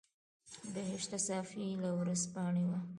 بهشته صافۍ له ورځپاڼې وه.